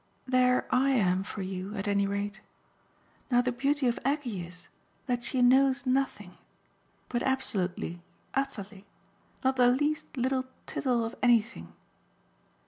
There I am for you at any rate. Now the beauty of Aggie is that she knows nothing but absolutely, utterly: not the least little tittle of anything."